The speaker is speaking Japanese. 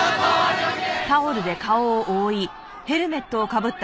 すいません。